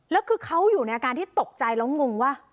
แล้วคือเขาอยู่ในอาการที่ตกใจแล้วงงว่า